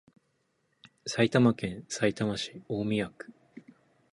埼玉県さいたま市大宮区